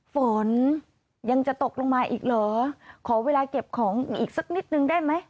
ฝนยังจะตกลงมาอีกเหรอขอเวลาเก็บของอีกสักนิดนึงได้ไหม